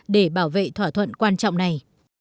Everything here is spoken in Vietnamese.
để bảo vệ thỏa thuận quan trọng này